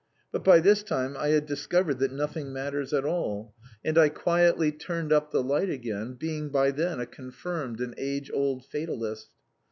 But by this time I had discovered that nothing matters at all, and I quietly turned up the light again, being by then a confirmed and age old fatalist.